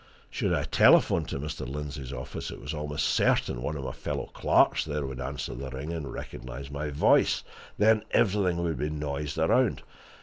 Should I telephone to Mr. Lindsey's office, it was almost certain one of my fellow clerks there would answer the ring, and recognize my voice. Then everything would be noised around.